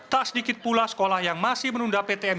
tak sedikit pula sekolah yang masih menunda ptm